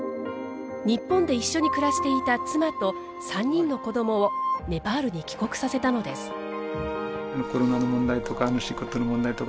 日本で一緒に暮らしていた妻と３人の子どもをネパールに帰国させたのです。